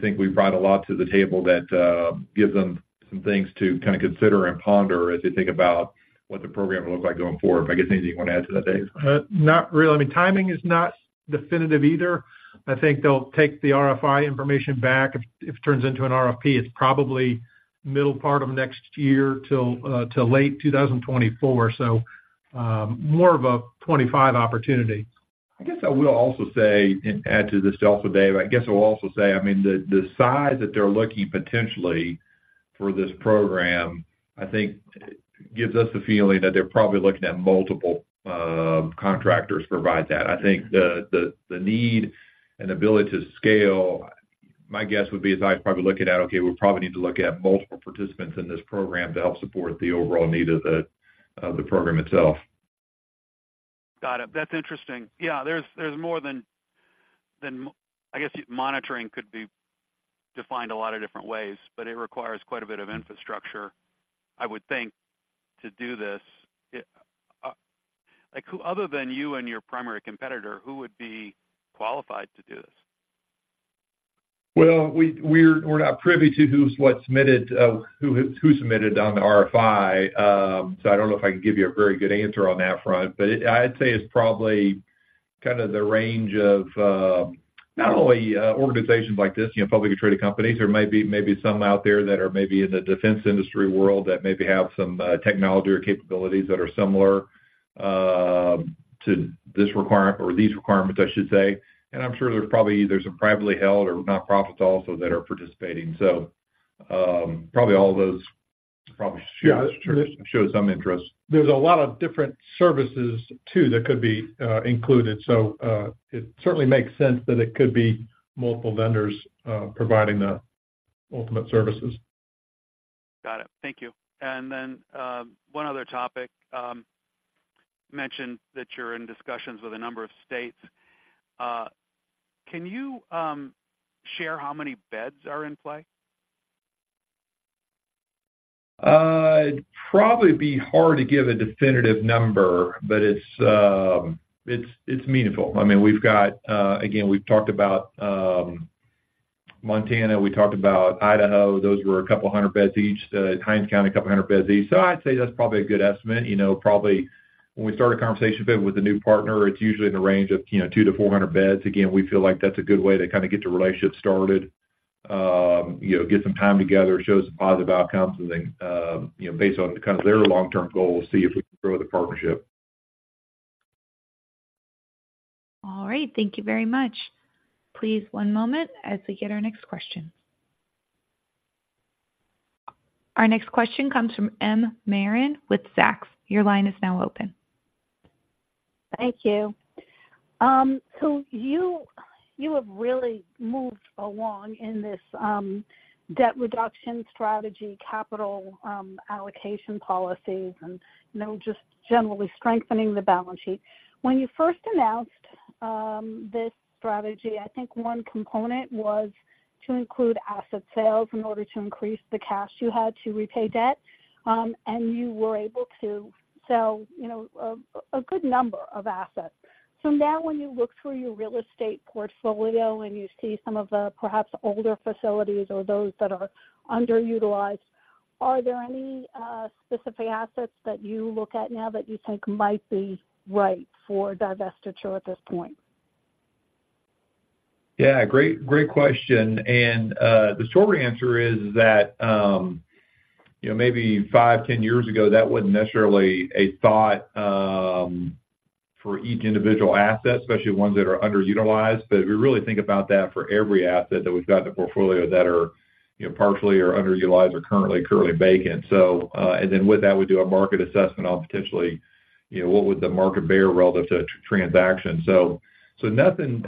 think we brought a lot to the table that gives them some things to kind of consider and ponder as they think about what the program will look like going forward. I guess, anything you want to add to that, Dave? Not really. I mean, timing is not definitive either. I think they'll take the RFI information back. If it turns into an RFP, it's probably middle part of next year till late 2024. So, more of a 25 opportunity. I guess I will also say, and add to this also, Dave, I guess I'll also say, I mean, the size that they're looking potentially for this program, I think gives us the feeling that they're probably looking at multiple contractors to provide that. I think the need and ability to scale, my guess would be is I'd probably look at, okay, we probably need to look at multiple participants in this program to help support the overall need of the program itself. Got it. That's interesting. Yeah, there's more than... I guess, monitoring could be defined a lot of different ways, but it requires quite a bit of infrastructure, I would think, to do this. Like, who other than you and your primary competitor would be qualified to do this? Well, we're not privy to who submitted on the RFI. So I don't know if I can give you a very good answer on that front, but it... I'd say it's probably kind of the range of not only organizations like this, you know, publicly traded companies. There might be maybe some out there that are maybe in the defense industry world, that maybe have some technology or capabilities that are similar to this requirement or these requirements, I should say. And I'm sure there's probably some privately held or nonprofits also that are participating. So, probably all those probably- Yeah, true. Showed some interest. There's a lot of different services too that could be included. So, it certainly makes sense that it could be multiple vendors providing the ultimate services. Got it. Thank you. And then, one other topic, mentioned that you're in discussions with a number of states. Can you share how many beds are in play? It'd probably be hard to give a definitive number, but it's, it's meaningful. I mean, we've got. Again, we've talked about Montana, we talked about Idaho. Those were 200 beds each. Hinds County, 200 beds each. So I'd say that's probably a good estimate. You know, probably when we start a conversation with a new partner, it's usually in the range of, you know, 200-400 beds. Again, we feel like that's a good way to kind of get the relationship started. You know, get some time together, show some positive outcomes and then, you know, based on kind of their long-term goals, see if we can grow the partnership. All right. Thank you very much. Please, one moment as we get our next question. Our next question comes from M. Marin with Zacks. Your line is now open. Thank you. So you have really moved along in this debt reduction strategy, capital allocation policies, and, you know, just generally strengthening the balance sheet. When you first announced this strategy, I think one component was to include asset sales in order to increase the cash you had to repay debt, and you were able to sell, you know, a good number of assets. So now when you look through your real estate portfolio and you see some of the, perhaps, older facilities or those that are underutilized, are there any specific assets that you look at now that you think might be right for divestiture at this point? Yeah, great, great question. And the short answer is that, you know, maybe five, 10 years ago, that wasn't necessarily a thought for each individual asset, especially ones that are underutilized. But we really think about that for every asset that we've got in the portfolio that are, you know, partially or underutilized or currently vacant. So and then with that, we do a market assessment on potentially, you know, what would the market bear relative to transaction. So nothing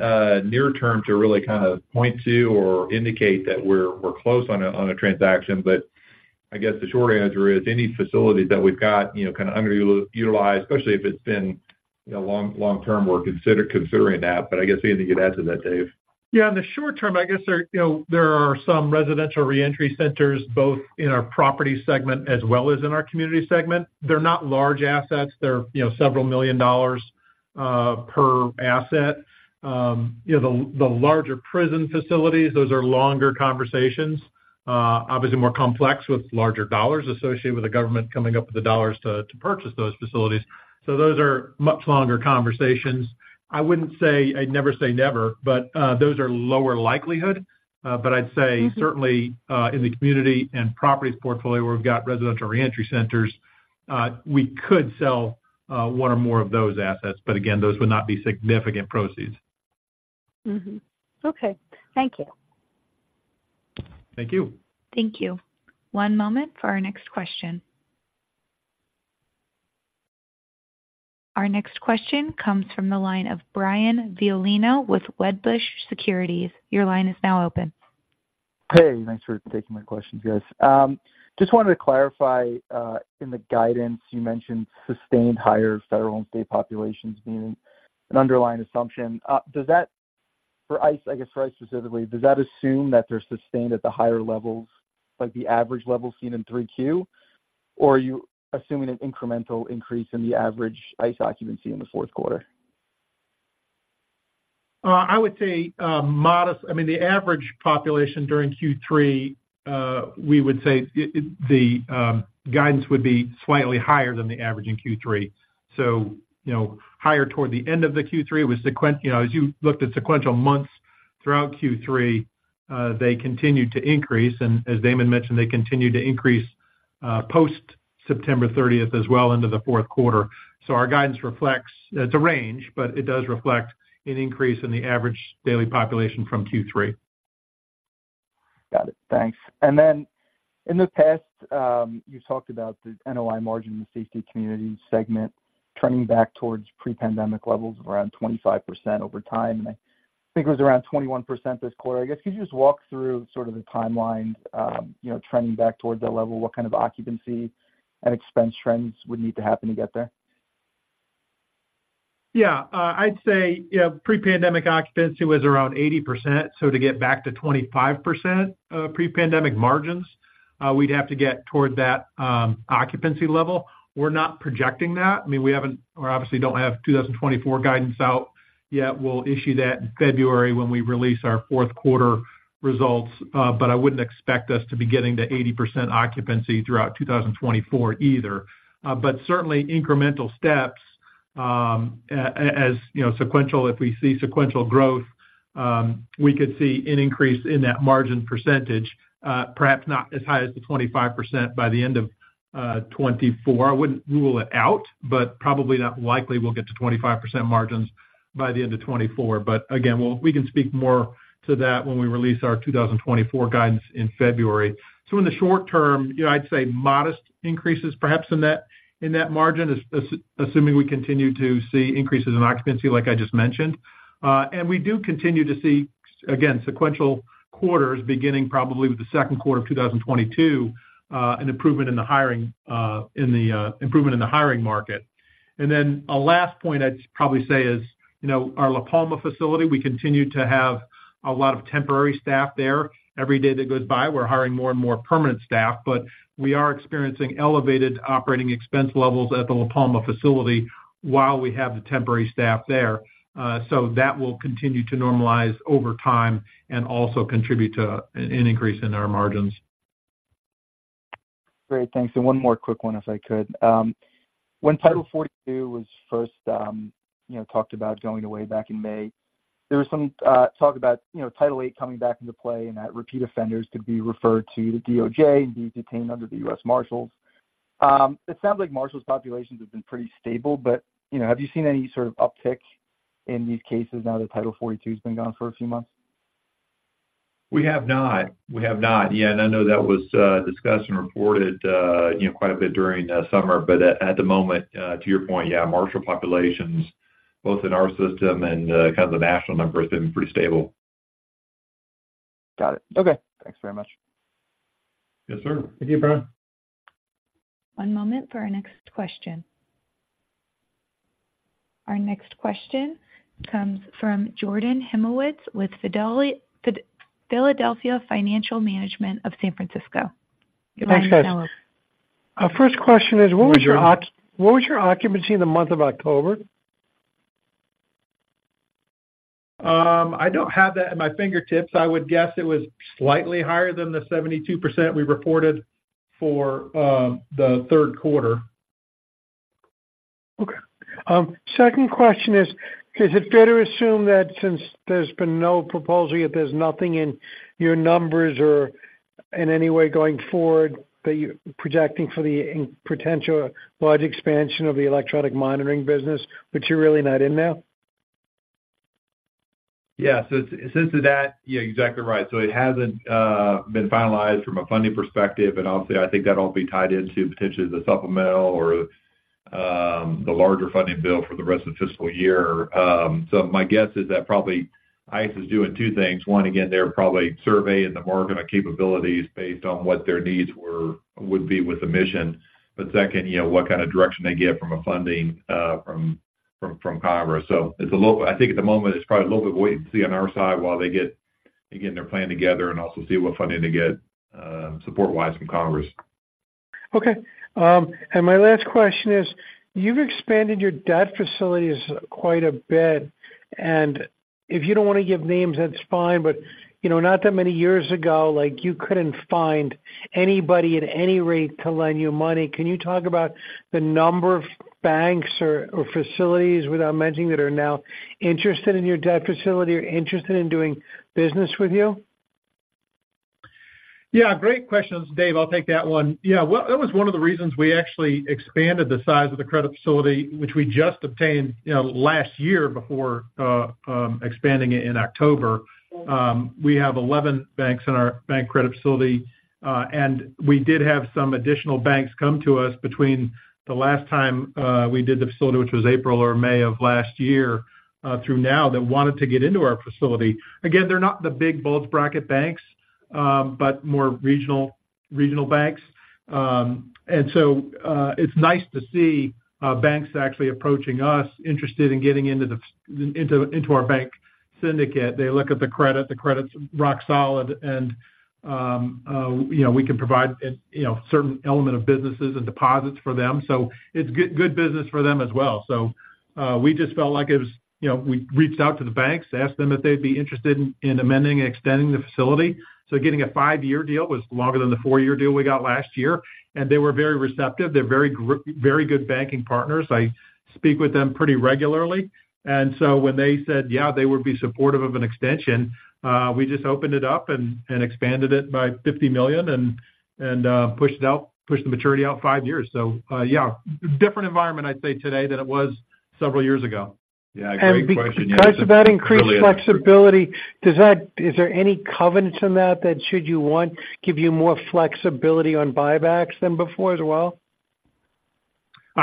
near term to really kind of point to or indicate that we're close on a transaction. But I guess the short answer is, any facility that we've got, you know, kind of underutilized, especially if it's been, you know, long term, we're considering that. But I guess anything you'd add to that, Dave? Yeah, in the short term, I guess there, you know, there are some residential reentry centers, both in our property segment as well as in our community segment. They're not large assets. They're, you know, several million dollars per asset. You know, the larger prison facilities, those are longer conversations, obviously more complex, with larger dollars associated with the government coming up with the dollars to purchase those facilities. So those are much longer conversations. I wouldn't say, I'd never say never, but those are lower likelihood. But I'd say. Mm-hmm. Certainly, in the community and properties portfolio, where we've got residential reentry centers, we could sell one or more of those assets, but again, those would not be significant proceeds. Mm-hmm. Okay. Thank you. Thank you. Thank you. One moment for our next question. Our next question comes from the line of Brian Violino with Wedbush Securities. Your line is now open. Hey, thanks for taking my questions, guys. Just wanted to clarify, in the guidance you mentioned sustained higher federal and state populations being an underlying assumption. Does that for ICE, I guess for ICE specifically, does that assume that they're sustained at the higher levels, like the average level seen in 3Q? Or are you assuming an incremental increase in the average ICE occupancy in the fourth quarter? I would say modest. I mean, the average population during Q3, we would say the guidance would be slightly higher than the average in Q3. So, you know, higher toward the end of the Q3, it was sequential—you know, as you looked at sequential months throughout Q3, they continued to increase. And as Damon mentioned, they continued to increase post-September 30th as well into the fourth quarter. So our guidance reflects, it's a range, but it does reflect an increase in the average daily population from Q3. Got it. Thanks. And then in the past, you talked about the NOI margin in the Safety Community segment turning back towards pre-pandemic levels of around 25% over time. And I think it was around 21% this quarter. I guess, could you just walk through sort of the timeline, you know, trending back towards that level? What kind of occupancy and expense trends would need to happen to get there? Yeah, I'd say, you know, pre-pandemic occupancy was around 80%. So to get back to 25%, pre-pandemic margins, we'd have to get toward that, occupancy level. We're not projecting that. I mean, we haven't or obviously don't have 2024 guidance out yet. We'll issue that in February when we release our fourth quarter results, but I wouldn't expect us to be getting to 80% occupancy throughout 2024 either. But certainly incremental steps, you know, sequential. If we see sequential growth, we could see an increase in that margin percentage, perhaps not as high as the 25% by the end of 2024. I wouldn't rule it out, but probably not likely we'll get to 25% margins by the end of 2024. But again, we can speak more to that when we release our 2024 guidance in February. So in the short term, you know, I'd say modest increases perhaps in that, in that margin, assuming we continue to see increases in occupancy like I just mentioned. And we do continue to see, again, sequential quarters, beginning probably with the second quarter of 2022, an improvement in the hiring market. And then a last point I'd probably say is, you know, our La Palma facility, we continue to have a lot of temporary staff there. Every day that goes by, we're hiring more and more permanent staff, but we are experiencing elevated operating expense levels at the La Palma facility while we have the temporary staff there. That will continue to normalize over time and also contribute to an increase in our margins. Great, thanks. And one more quick one, if I could. When Title 42 was first, you know, talked about going away back in May, there was some talk about, you know, Title 8 coming back into play and that repeat offenders could be referred to the DOJ and be detained under the U.S. Marshals. It sounds like Marshals populations have been pretty stable, but, you know, have you seen any sort of uptick in these cases now that Title 42's been gone for a few months? We have not. We have not yet, and I know that was discussed and reported, you know, quite a bit during the summer. But at the moment, to your point, yeah, Marshal populations, both in our system and kind of the national number, have been pretty stable. Got it. Okay, thanks very much. Yes, sir. Thank you, Brian. One moment for our next question. Our next question comes from Jordan Hymowitz with Philadelphia Financial Management of San Francisco. Your line is now open. First question is: What was your occupancy in the month of October? I don't have that at my fingertips. I would guess it was slightly higher than the 72% we reported for the third quarter. Okay. Second question is: Is it fair to assume that since there's been no proposal, yet there's nothing in your numbers or in any way going forward, that you're projecting for the potential large expansion of the electronic monitoring business, which you're really not in now? Yeah. So since that-- Yeah, exactly right. So it hasn't been finalized from a funding perspective, and obviously, I think that'll be tied into potentially the supplemental or the larger funding bill for the rest of the fiscal year. So my guess is that probably ICE is doing two things. One, again, they're probably surveying the market on capabilities based on what their needs would be with the mission. But second, you know, what kind of direction they get from funding from Congress. So it's a little-- I think at the moment, it's probably a little bit wait and see on our side while they get their plan together and also see what funding to get support-wise from Congress. Okay. And my last question is, you've expanded your debt facilities quite a bit, and if you don't want to give names, that's fine. But, you know, not that many years ago, like, you couldn't find anybody at any rate to lend you money. Can you talk about the number of banks or, or facilities, without mentioning, that are now interested in your debt facility or interested in doing business with you? Yeah, great questions. Dave, I'll take that one. Yeah, well, that was one of the reasons we actually expanded the size of the credit facility, which we just obtained, you know, last year before expanding it in October. We have 11 banks in our bank credit facility, and we did have some additional banks come to us between the last time we did the facility, which was April or May of last year, through now, that wanted to get into our facility. Again, they're not the big bulge bracket banks, but more regional banks. And so, it's nice to see banks actually approaching us, interested in getting into our bank syndicate. They look at the credit, the credit's rock solid and, you know, we can provide, you know, certain element of businesses and deposits for them. So it's good, good business for them as well. So, we just felt like it was... You know, we reached out to the banks to ask them if they'd be interested in amending and extending the facility. So getting a five-year deal was longer than the 4-year deal we got last year, and they were very receptive. They're very good banking partners. I speak with them pretty regularly. And so when they said, yeah, they would be supportive of an extension, we just opened it up and, pushed it out, pushed the maturity out 5 years. Yeah, different environment, I'd say today than it was several years ago. Yeah, great question. Because of that increased flexibility, is there any covenants in that, that should you want, give you more flexibility on buybacks than before as well?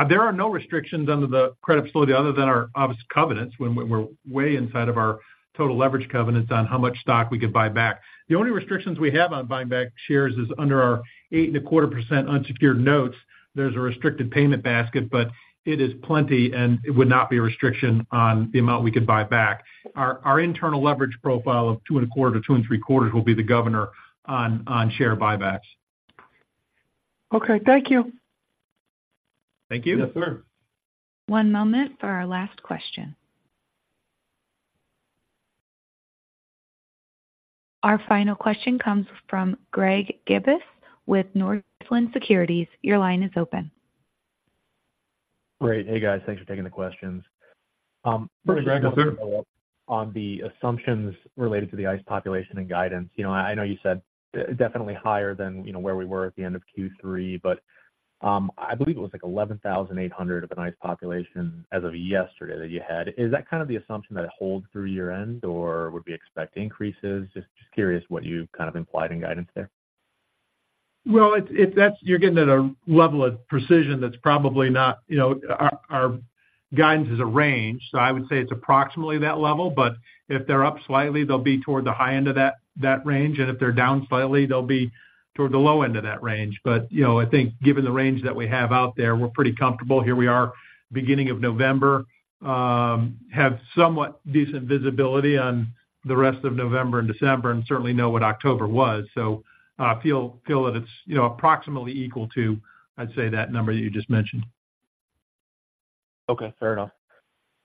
There are no restrictions under the credit facility other than our obvious covenants when we're way inside of our total leverage covenants on how much stock we could buy back. The only restrictions we have on buying back shares is under our 8.25% unsecured notes. There's a restricted payment basket, but it is plenty, and it would not be a restriction on the amount we could buy back. Our internal leverage profile of 2.25-2.75 will be the governor on share buybacks. Okay, thank you. Thank you. Yes, sir. One moment for our last question. Our final question comes from Greg Gibas with Northland Securities. Your line is open. Great. Hey, guys, thanks for taking the questions. Hey, Greg. Yes, sir. On the assumptions related to the ICE population and guidance. You know, I know you said definitely higher than, you know, where we were at the end of Q3, but I believe it was like 11,800 of an ICE population as of yesterday that you had. Is that kind of the assumption that it holds through year-end, or would we expect increases? Just curious what you kind of implied in guidance there. Well, that's you're getting at a level of precision that's probably not... You know, our guidance is a range, so I would say it's approximately that level. But if they're up slightly, they'll be toward the high end of that range, and if they're down slightly, they'll be toward the low end of that range. But, you know, I think given the range that we have out there, we're pretty comfortable. Here we are, beginning of November, have somewhat decent visibility on the rest of November and December, and certainly know what October was. So, feel that it's, you know, approximately equal to, I'd say, that number that you just mentioned. Okay, fair enough.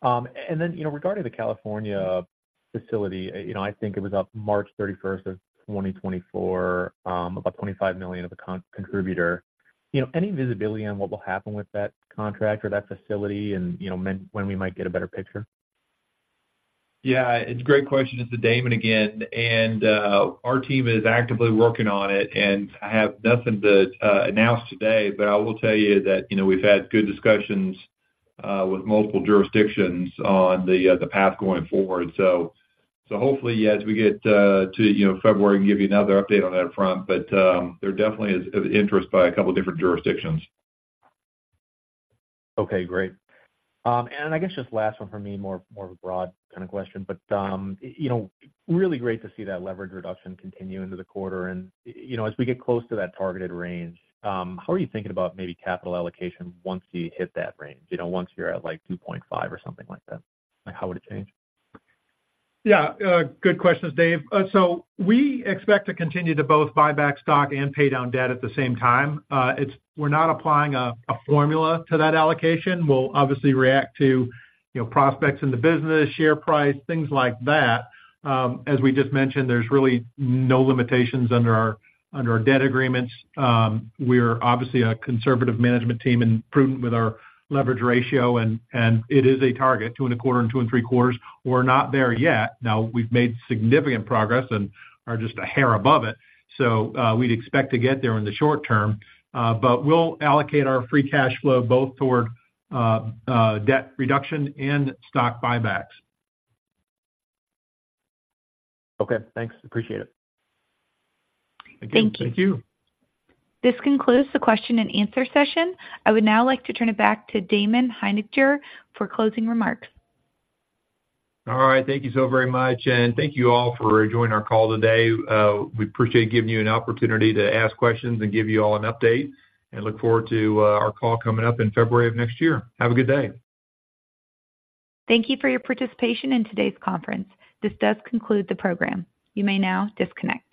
And then, you know, regarding the California facility, you know, I think it was up March thirty-first of 2024, about $25 million of the contributor. You know, any visibility on what will happen with that contract or that facility and, you know, when, when we might get a better picture? Yeah, it's a great question. It's Damon again, and our team is actively working on it, and I have nothing to announce today, but I will tell you that, you know, we've had good discussions with multiple jurisdictions on the path going forward. So, hopefully, as we get to, you know, February, give you another update on that front, but there definitely is interest by a couple different jurisdictions. Okay, great. And I guess just last one for me, more of a broad kind of question, but, you know, really great to see that leverage reduction continue into the quarter. And, you know, as we get close to that targeted range, how are you thinking about maybe capital allocation once you hit that range? You know, once you're at, like, 2.5 or something like that, like, how would it change? Yeah, good questions, Dave. So we expect to continue to both buy back stock and pay down debt at the same time. It's. We're not applying a formula to that allocation. We'll obviously react to, you know, prospects in the business, share price, things like that. As we just mentioned, there's really no limitations under our debt agreements. We're obviously a conservative management team and prudent with our leverage ratio, and it is a target, 2.25-2.75. We're not there yet. Now, we've made significant progress and are just a hair above it, so we'd expect to get there in the short term, but we'll allocate our free cash flow both toward debt reduction and stock buybacks. Okay, thanks. Appreciate it. Thank you. Thank you. This concludes the question-and-answer session. I would now like to turn it back to Damon Hininger for closing remarks. All right. Thank you so very much, and thank you all for joining our call today. We appreciate giving you an opportunity to ask questions and give you all an update, and look forward to our call coming up in February of next year. Have a good day. Thank you for your participation in today's conference. This does conclude the program. You may now disconnect.